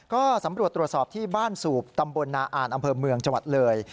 ก็สำรวจตรวจสอบที่บ้านสูบตำบลนาอ่านอำเภอเมืองจังหวัดเลย